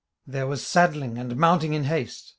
There was saddling and mounting in haste.